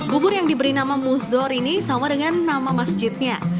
bubur yang diberi nama musdor ini sama dengan nama masjidnya